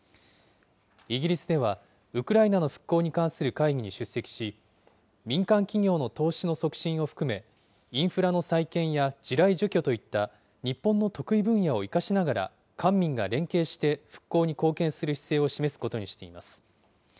イギリスではウクライナの復興に関する会議に出席し、民間企業の投資の促進を含め、インフラの再建や地雷除去といった日本の得意分野を生かしながら、官民が連携して復興に貢献する姿勢を示すことにしています。